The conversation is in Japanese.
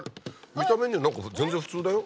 見た目には何か全然普通だよ。